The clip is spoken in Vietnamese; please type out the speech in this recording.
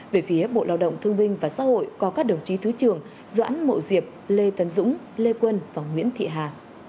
về phía bộ lao động thương binh và xã hội có các đồng chí thứ trưởng doãn mậu diệp lê tấn dũng lê quân và nguyễn thị hà